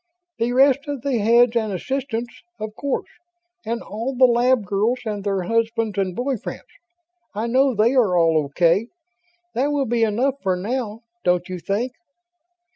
"The rest of the heads and assistants, of course ... and all the lab girls and their husbands and boy friends. I know they are all okay. That will be enough for now, don't you think?"